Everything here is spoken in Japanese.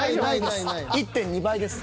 １．２倍です。